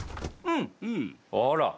あら。